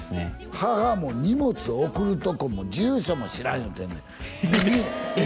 母も荷物送るとこも住所も知らん言うてんねんええ！？